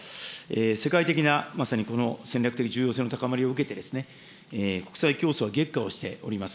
世界的なまさにこの戦略的重要性の高まりを受けて、国際競争は激化をしております。